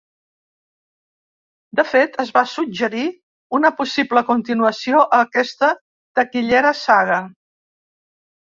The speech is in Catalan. De fet, es va suggerir una possible continuació a aquesta taquillera saga.